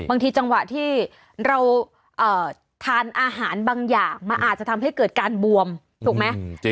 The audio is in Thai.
บางทีจังหวะที่เราทานอาหารบางอย่างมันอาจจะทำให้เกิดการบวมถูกไหม